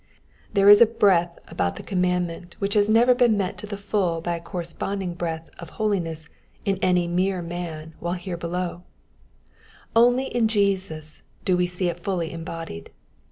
There is a breadth about the commandment which has never been met to the full by a corresponding breadth of holiness in any mere man while here below ; only in Jesus do we see )t fully embodied.